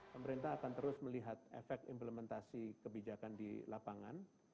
pemerintah akan terus melihat efek implementasi kebijakan di lapangan